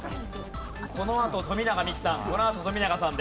このあと富永美樹さん。